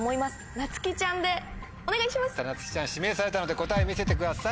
なつきちゃん指名されたので答え見せてください。